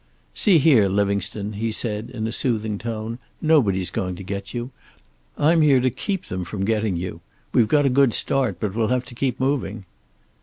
"See here, Livingstone," he said, in a soothing tone, "nobody's going to get you. I'm here to keep them from getting you. We've got a good start, but we'll have to keep moving."